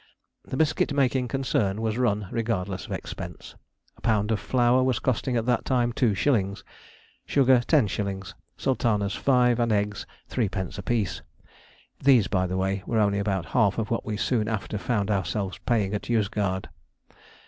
The biscuit making concern was run regardless of expense. A pound of flour was costing at that time two shillings, sugar ten shillings, sultanas five; and eggs three pence apiece. (These, by the way, were only about half of what we soon after found ourselves paying at Yozgad.)